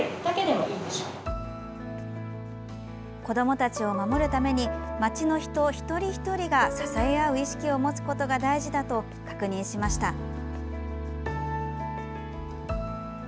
子どもたちを守るために街の人、一人一人が支え合う意識を持つことが大事だと確認しました。